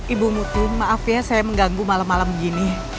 ibu mutu maaf ya saya mengganggu malam malam gini